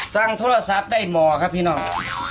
สั่งโทรศัพท์ได้หมอครับพี่น้อง